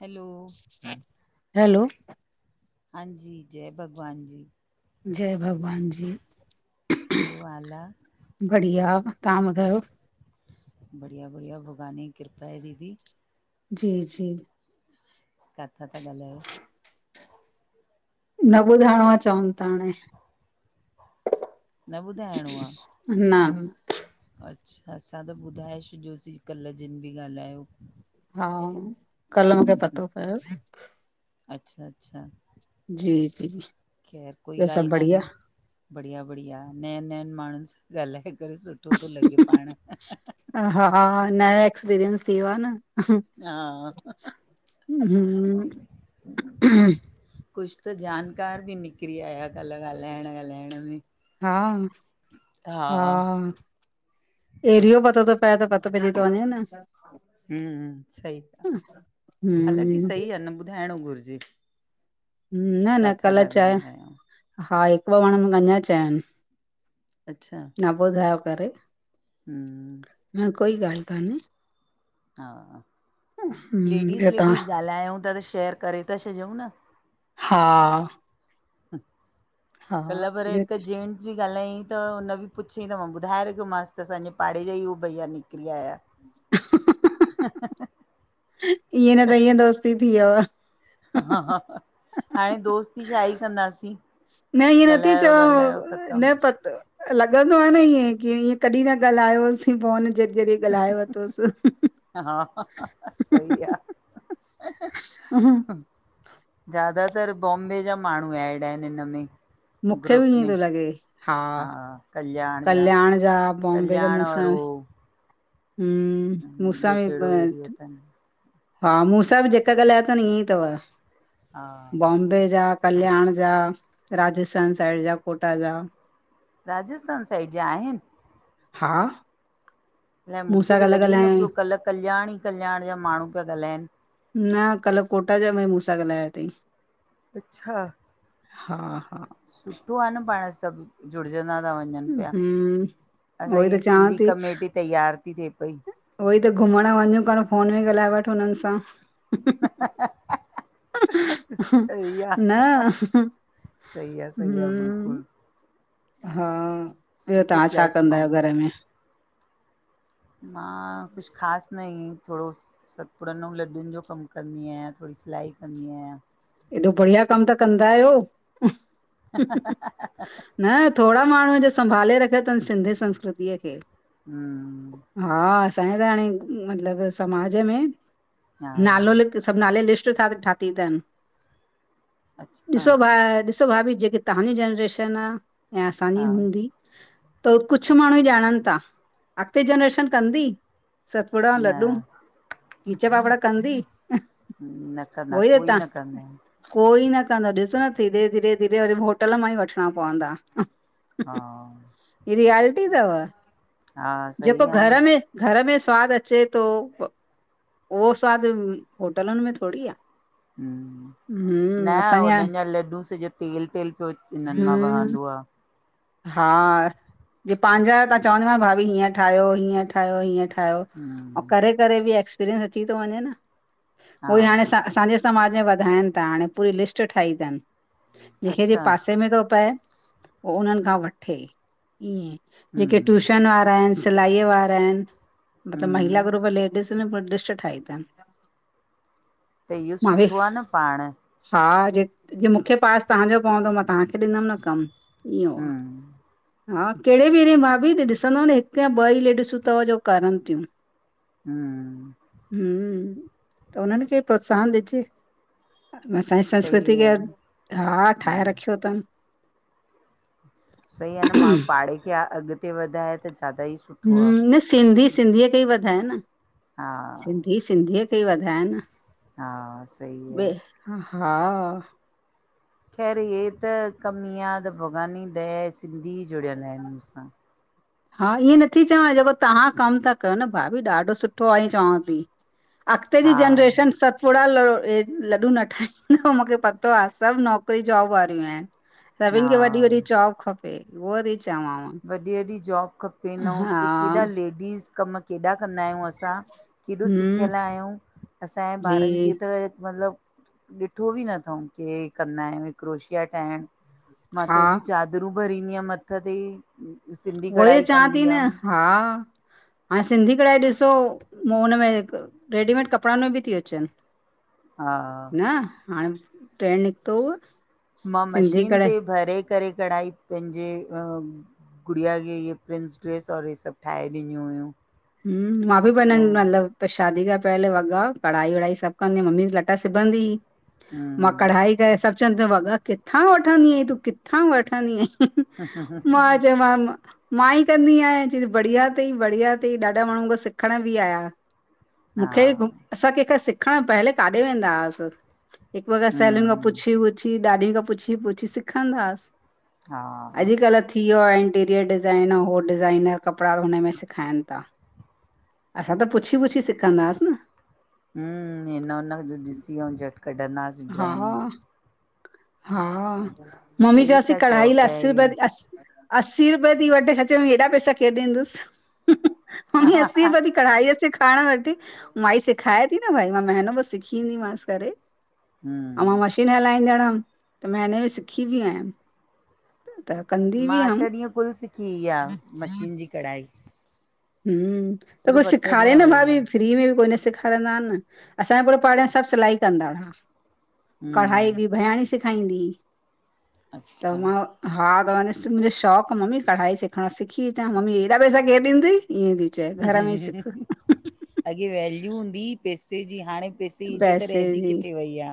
Hello, hello हांजी, जय भॻवान जी जय भॻवान जी, कहिड़ो हाल आ? बढ़िया, तां ॿुधायो? बढ़िया- बढ़िया, भॻावानजी कृपा आहे दीदी। जी- जी। काथां ता ॻाल्हायो? न ॿुधाइणो आ, चवनि ता हाणे। न ॿुधाइणो आ? न अच्छा, असां त ॿुधाए छॾियोसी कल्ह जिन बि ॻाल्हायो। हा, कल्ह मुखे पतो पयो अच्छा -अच्छा जी -जी ख़ैर कोई ॿियो गाल्हि सभु बढ़िया? कान्हे। बढ़िया -बढ़िया, नयनि- नयनि माण्हुनि सां ॻाल्हाए करे सुठो तो लॻे पांण। हा, नयो एक्सपीरियंस थी वयो आ न हा हुं कुछ त जानकार बि निकिरी आया कल्ह ॻाल्हाइणं -ॻाल्हाइणं में हा हा। एरियो पतो तो पए, त पतो तो पैजी तो वञें न हम्म -हम्म, सही ॻाल्हि, हालाकी हम्म सही आ न ॿुधाइंणो घुरिजे। न- न काथां कल्ह था चय, ॻाल्हायो हा हिकु ॿ माण्हुन मुखे अंञां चयनि अच्छा न ॿुधायो करे हम्म ह कोई ॻाल्हि कान्हे हा, हम्म लेडीज़- ॿियो तव्हां लेडीज़ ॻाल्हायंउं ता त शेयर करे ता छॾियंउं न हा। हा कल्ह पर ॿियो हिक जेनट्स बि ॻाल्हायंई त उन्ह बि पुछियंईं त मां ॿुधाए रखियो मासि, त असांजे पाड़े जा ई हो भईया निकिरी आया हंसने की आवाज़ हंसने की आवाज़ ईंयें न त ईंयं दोस्ती थी व्यव हा- हा- हा, हाणें दोस्ती छा ई कंदासीं न इंयें नथी ॻाल्हायो चवांव, ॻाल्हायो ख़तमु न पतो लॻंदो आ न ईयें, की ईअं कॾहिं न ॻाल्हायोहोसीं फोन जॾी -जॾी ॻाल्हाए वरितोसि हा हंसने की आवाज़ ह हुं ज्यादातर बॉम्बे जा माण्हूं एड आहिनि हिन में। मुखे बि ग्रुप इअंई में तो लॻे, हा कल्याण जा कल्याण जा बॉम्बे जा कल्याण और मूंसां बि उहो हम्म मुंसां ॿियो भी कहिड़ो एरियो ॿ अथनि हा मूंसा भी जेका ॻल्हाया तनि ईअंई तव हा बॉम्बे जा कल्याण जा, राजस्थान साइड जा, कोटा जा राजस्थान साइड जा आहिनि? हा। अलाए मुखे मूंसां त कल्ह लॻे ई न ॻाल्हायो पियो कल्ह कल्याण ई कल्याण जा माण्हूं पिया ॻाल्हाइनि। न कल्ह कोटा जा भी मूंसा ॻाल्हाया तंई। अच्छा, हा सुठो आ न पांण सभु जुड़जंदा ता वंञंनि पिया, हम्म उहोई असांजी त चवां सिंधी थी कमेटी तैयार ती थिए पई उहोई त घुमंण वंञूं कान्ह, फोन में ई ॻाल्हाए वठ हुननि सां। न सही आ। सही आ- सही आ हम्म बिल्कुलु। हा, ॿियो सुठो तव्हां छा कंदा प्लेटफॉम आहियो घर में? मां कुछ ख़ासि न‌ इंयईं थोड़ो सतपुड़नि अंउं लॾुनि जो कमु कंदी आहियां, थोड़ी सिलाई कंदी आहियां एॾो बढ़िया कम त कंदा आहियो। हंसने की आवाज़ न थोड़ा माण्हूं, जो संभाले रखियो तनि सिंधी संस्कृतिअ खे हम्म हा असांजे त हाणें मतिलब समाज में हा नालो लिख् त सभु नाले लिस्ट ठा ठाती तनि अच्छा ॾिसो भा ॾिसो भाभी जेकी तव्हांजी जनरेशन आ, या असांजी हा हूंदी त कुछ माण्हूं ई ॼाणनि ता, अॻिते जनरेशन कंदी? सतपुड़ा, न लड्डू, खीचा, पापड़ कंदी? न कंदा, उहोई त कोई तव्हां न कंदा इन् कोई न कंदो, ॾिसो न धीरे- धीरे- धीरे वरी होटल मां ई वठिंणा पवंदा। हा। हीअ रियाल्टी तव, हा सही जेको आहे न घर में घर में स्वादु अचे तो, उहो स्वादु होटलुनि में थोड़ी आ हम्म न ओॾहिं जा लड्डूं सॼो तेल- तेल पियो हिननि मां हम्म वहंदो आ। हा, जे पाहिंजा ता चवंदी मांव न भाभी हीअं ठाहियो -हीअं ठाहियो -हीअं ठाहियो ठाहियो, अऊं हम्म करें -करे बी एक्सपीरियंस अची तो वञें न, हा उहोई हाणे असां असांजे समाज में वधाइनि ता हाणे पूरी लिस्ट ठाही तनि जहिंखे जे अच्छा पासे में तो पए पो उन्हन खां वठे ईयेंं, जेके हम्म ट्यूशन वारा हिन सि सिलाईअ वारा हिनि, मतिलबु महिला हम्म ग्रुप लेडीस में, पूरी लिस्ट ठाही तनि त इह्यो सुठो आ न पांण हा, जे जींअ मुखे पास तव्हांजो पवंदो मां, तव्हांखे ॾींदमि न कमु इहो आहे हम्म हा कहिड़े बि एरीये में भाभी हिते ॾिसंदव न हिकु या ॿ ई लेडिसूं तव जो करनि तियूं हम्म हम्म, त उन्हनि खे प्रोत्साहन ॾिजे अ असांजी संस्कृति सही खे आहे न हा, ठाहे हम्म रखियो तनि सही आ न माण्हूं, पाड़े खे अॻिते वधाए त ज्यादा ई सु हम्म, न सिंधी सिंधीअ खे ई वधाए न हा सिंधी सिंधीअ ते वधाए न हा सही ॿे आ। हा। ख़ैर हे त कम ईंये आ त भॻवान जी दया ए सिंधी जुड़ियल हिनि मुंसां। हा ईह्यें नथी चवां, जेको तव्हां कमु ता कयो न भाभी, ॾाढो सुठो आ ईयं चवांव ती। अॻिते जी हा जनरेशन सत् पुडा ल लड्ॾू न ठाहींदा मुखे पतो आ सभु नौकिरी जॉब वारियूं आहिनि। हा सभिन खे वॾी -वॾी जॉब खपे उहो ती चवांव। वॾी- वॾी जॉब खपेनि, अऊं हा के केॾा लेडीस कम केॾा कंदा आहियूं असां केॾो हम्म सिखियल आहियंउं, असांजे जी ॿारनि जी खे त मतिलबु ॾिठो बि न थऊं के हे कंदा आहियूं, हे क्रोशिया ठाहिण मां त हा हेॾियूं चाद रूं भरींदी हमि हथ ते, सिंधी उहोई त कढ़ाई चवां थी कंदी न हमि हा हाणे सिंधी कढ़ाई ॾिसो, मूं हुन में, रेडीमेड कपड़न में भी ती अचन। हा न, हाणे ट्रेंड निकतो हुअ मां मशीन ते भरे करे कढ़ाई, पेंजे गुड़िया खे, इहे प्रिंस ड्रेस और ई सभ ठाहे ॾिनयूं हुयूं। हूं, मां बि बनण ऐं मतलब पर शादी खां पहले वॻा कढ़ाई वढ़ाई सभ कंदी हम, मम्मी बि लटा सिबंदी हुई, मां हम्म कढ़ाई सभ चवंनत्यूं, तूं वॻा किथां वठंदी अहीं, तूं किथां वठंदी अहीं? मां च्योमांन मां मां ई कंदी आयां, चैती बढ़िया तई बढ़िया तई, ॾाढा माण्हू मूंखा सिखण बि आया। हा मूंखे, असां कंहिंखा सिखण पहले काॾे वेंदा हस, हिक ॿ सेलिन खां हम्म पुछी पुछी, ॾाॾी खां पुछी पुछी सिखंदाहास, हा अॼकल्ह थी व्यो आ, इंटीरियर डिज़ाइन, हो डिज़ाइनर कपड़ा बि उनमें सिखाइन ता, असां त पुछी पुछी सिखंदाहास न। हूं, हिन हुन जो ॾिसी, अऊं झट कढ़ंदाहासीं हा डिज़ाइनूं। हा, मम्मी सही चवांसयती, था चओ कढ़ाई लाइ पिया असी इहे रुपया ती अस् अस्सी रुपया ती वठे, सच में हेॾा पैसा केरु ॾींदुस मम्मी अस्सी रुप कढ़ाई सिखारण वेठी, माई सिखाए ती न भाई, मां महीनो ॿ सिखी ईंदीमस करे। ऐं मां हूं मशीन हलाईंदड़ हम, त महिने में सिखी बि आयम। मां, अठ हुअमि। ॾींहं कुल सिखी इहा, मशीन जी कढ़ाई। हूं, त कोई सिर्फ़ु अठ सिखारे ॾींहं न वई भाभी, हुअमि फ्री में बि कोई न सिखारे रंदा, अन न, असांजे पूरे पाढ़े में सभ सिलाई कंदा हा, कढ़ाई हम्म बि भयाणी सि सेखाईंदी हुई, त अच्छा मां हा, त मां ॾिस, मुंजो शौक़ु, मम्मी कढ़ाई सिखां, सिखी अचां, मम्मी, हेॾा पैसा केरु ॾींदुइ, ईअं चयईं। अॻे वैल्यू हूंदी ही, पैसे जी, हाणे जी इज़त पैसे रहिजी जी, किथे वई आहे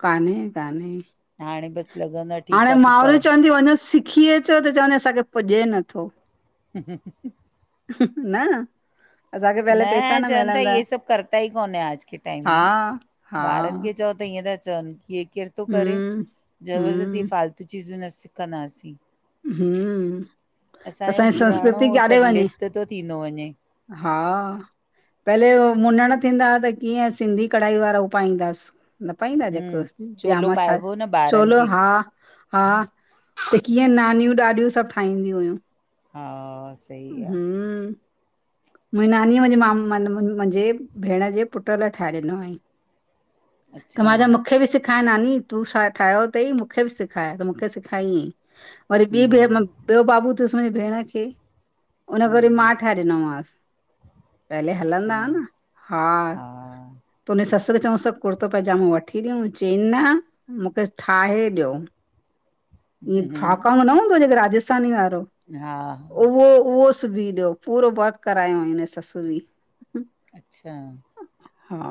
कान्हें कान्हें। हाणे बसि लॻंदो आ हाणे ठीकु आ तूं माउरूं कर। चवंनत्यूं, वञो सिखी अचो, त चवंनत्यूं, असांखे पुॼे नथो। हूं हूं हूं न असांखे न, पहले पैसा न चैन ता, मिलंदा ये सभ करता ई कौन है, आज के टाइम हा में, हा ॿारन खे चौ त ईंएं ता चवन, की हे केर तो करे, हम्म ज़बरदस्ती हम्म फ़ालतू चीजूं न सिखंदासीं। हम्म त असांजो असांजी पुराणो, संस्कृति हो काॾे सभ वञे लिप्त तो थींदो वञे। हा पहले हो मुनण थींदा हा, त कीअं सिंधी कढ़ाई वारा हू पाईंदास। न पाईंदा, जेको हम्म चोलो ॼामो छा, पाइबो न ॿारनि चोलो खे। हा। हा, त कीअं नानयूं ॾाॾयूं सभ ठाईंदयूं हुयूं। हा सही आ। हूं मुंजी नानींअं मुंजी, मुंजे भेण जे पुट्र लाइ ठाहे ॾिनो हंईं। त, अच्छा मा चयो मूंखे बि सि सिखाय नानीं, तूं छा ठायो तई, मूंखे बि सिखाय त मूंखे बि सिखायईं। वरी ॿी में हम्म ॿयो बाबू थियुस मुंजी भेण खे, उनखे वरी हम्म मां ठाए ॾिनोमांस। पहले हलंदा अच्छा हा न, हा त उनेजी ससु खे चऊंसु कुर्तो पइजामो वठी ॾियऊ, चई न मूंखे ठाहे ॾियो। ईअ फाका हम्म वा न हूंदो ॼेको राजस्थानी वारो, हा हा उहो उहो सुबी ॾियो, पूरो वर्क करायो हुयइ हिनजी ससु बी। अच्छा हा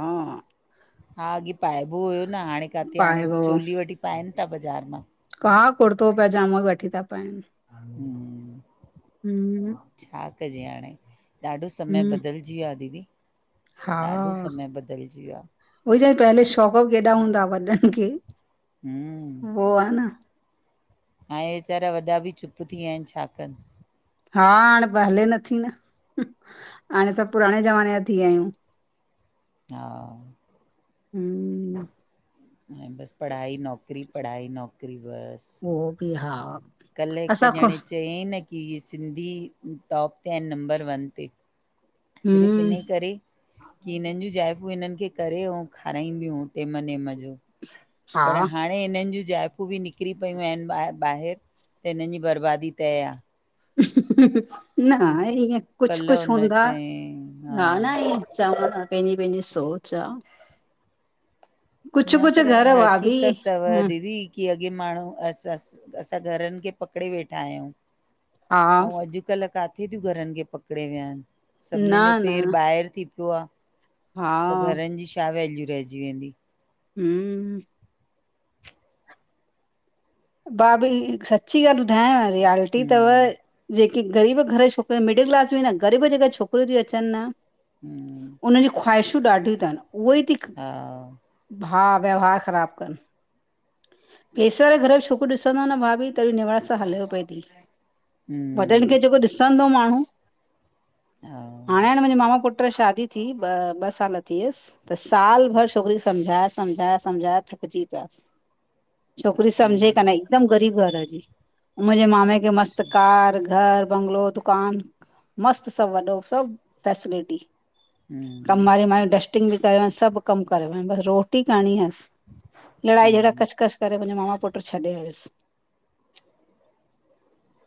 हा अॻे पाएबो हुयो न हाणे काथे हाणे पाइबो चोली वठी पाइनि ता बज़ार मां। का कुर्तो पइजामो वठी ता पाइनि। हूं हम्म छा कजे हाणे। ॾाढो समय हम्म बदिलजी वियो आ दीदी, ॾाढो समय बदिलजी वियो आ। उई छा पहले शौक़ वौक़ केॾा हूंदा आ वॾनि खे, हम्म। वो आ न ऐं वेचारा वॾा बि चुप थी विया आहिनि छा कन। हा हाणे हले नथी न हाणे सभु पुराणे ज़माने जा थी विया आहियूं। हा हूं हाणे बसि पढ़ाई नौकरी, पढ़ाई नौकिरी बसि। वो बि हा कल्ह हिकु असां खो ॼणे चयई न की, हे सिंधी टॉप ते आहिनि नंम्बर वन ते। सिर्फ़ु हम्म इने करे, की हिनिन जी ज़ाइफ़ूं हिननि खे करे अऊं खाराईंदियूं हूं। ते मने मज़ो, हा पर हाण हाणे हिनन जूं जाइफ़ू बि निकिरी पयूं आहिन ॿाहिर ॿाहिरि त हिननि जी बर्बादी तए आ। न इएं कुझु कल्ह कुझु हुन हूंदा, चयईं हा न ईय चवंदा पंहिंजी पंहिंजी सोच आ। कुझु न कुझु पर अ घर भाभी हक़ीक़त तव हम्म, दीदी। की अॻे माण्हू असां अस असां घरनि खे पकिड़े वेठा आहहियूं, हा अऊं अॼु अॼुकल्ह काथे तियूं घरनि खे पकिड़े विहनि, न सभिनीनि जो पैर न ॿाहिरि थी पियो आ। हा त घरनि जी छा वैल्यू रहिजी वेंदी। हूं भाभी सची ॻाल्ह ॿुधायांव रिआल्टी तव। हम्म ॼेके ग़रीब घर जी छोकिरियूं मिडिल क्लास में न गरीब ॼेका छोकिरियूं तियूं अचन न हम्म उननि जी खवााइशूं ॾाढी तनि, उहे ई ती हा हा व्यवहार ख़राब करनि, पैसे वारे घर जी छो छोकरी ॾिसंदा न भाभी त बी निवारत सां हलेव पई ती, वॾनि हम्म खे ॼेको ॾिस तंदो माण्हू, हा हाणे हाण मुंहिंजे मामा पुट जी शादी थी, ॿ ॿ सालु थी हुयस, त साल भर छोकरी खे समझाय समझाय समझा थकजी पियास। छोकिरी सम्झे काने ई हिकुदमि ग़रीब घर जी, मुंहिंजे मामे खे मस्त छ- कार घर बंगलो। दुकान, मस्त सभु वॾो सभु फैसिलिटी, कमु हम्म वारे मायूं डस्ट कटिंग बि करे आ सभु कमु करे वञ, बसि रोटी करणी हुस, लड़ाई झेड़ा हम्म कस कस तॾे मुंहिंजे मामा पुट छॾे आयुस,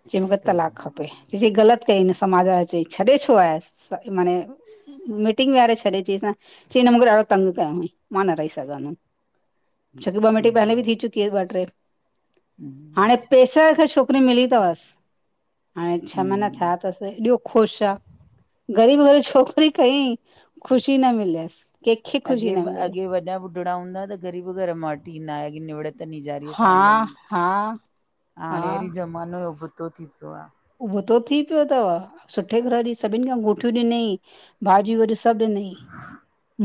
चई मूंखे तो तलाक खपे। चई ग़लति कईं न समाज वारे चई छॾे छो आहेसि माने मीटिंग विहारे छॾे अची सां, चईं न मूंखे ॾाढो तंग कयो हुईं, मां न रही सघंदुम। छोकी बॉमिटी पहले बि थी चुकी हुयसि ॿ ट्रे हूं हाणे पैसे खे छोकिरी मिली थवसि, हाणे छह महीना हम्म थिया तस। त हेॾो ख़ुशि आ ग़रीब घर छोकिरी कईं ख़ुशी न मिलियस। अॻे म अॻे वॾा बुढड़ा हूंदा त ग़रीब घर मां वठी ईंदा के निड़त त निजारीअ सां हा हलंदी हा हा हाणे वड़ी ज़मानो उबतो थी पियो आ। उबतो थी पियो तव सुठे घर जी सभिनि खां मठियूं ॾिनई भाॼियूं वरी सभु ॾिनई,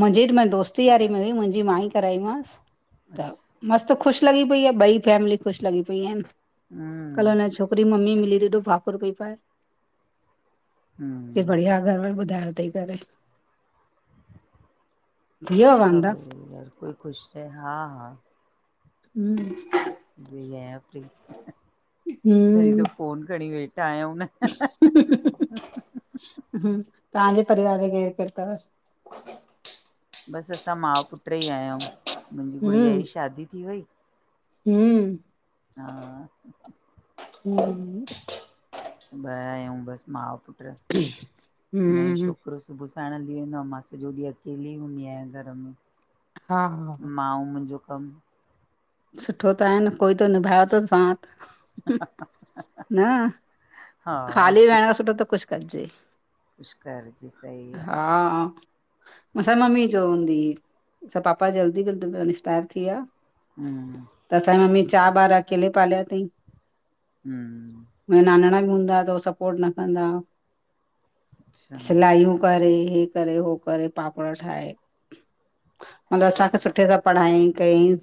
मुंजीड मां दोस्ती यारी में हुई मुंहिंजी मां ई कराई मांस त मस्त ख़ुशि लॻी पई आ ॿई फैमिली ख़ुशि लॻी पेई आहिन कल हम्म हुन छोक करी मम्मी मिली एॾो भाकुर पई पाए, के हम्म बढ़िया घर में ॿुधायो तईं करे। थी वियो सुठा वांदा भई यार कोई ख़ुशि रहे, हा हा। हूं, वई आयां फ्री, तडीं त फोन खणी वेठा आयूं न। तहांजे परिवार में केर केर तव? बसि असां माउ पुट्र ई आययूं मुंजी गुड़िया जी शादी थी वई। हूं, हा ब आयूं बसि मां पुट, हुन ए हम्म छोकिरो सुबुह साइणु हली वेंदो आयां मां सॼो ॾींहं अकेली हूंदी आयां घर में। हा हा मां ऊं मुंजो कमु सुठो त आहेन कोई त निभाए थो सांथ न हा खाली वेहण सां सुठो त कुझ करजे कुझु करजे सही आ। हा। मूंसां मम्मी चवंदी ही सां पापा जल्दी जल्दील इक्सपायर थी विया। हूं, त असांजी मम्मी चार ॿार अकेले पालियां तईं। हूं मुंजा नानणा बि हूंदा हा त उ सपोर्ट न कंदा आ अच्छा सिलायूं करे हे करे हो करे पापड़ ठाहे मतिलबु असांखे सुठे सां पढ़ायांई कयईं।